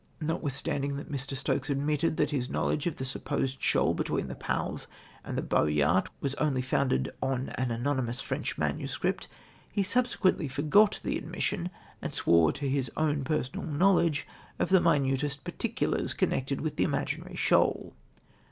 Notwithstandino that Mr. Stokes admitted that his o knowledge of the supposed shoal between the Palles and the Boyart was only founded on an anonymous French MS., he subsequently forgot the admission, and swore to his own personal knowledge of the minutest particulars connected with the imaginary shoal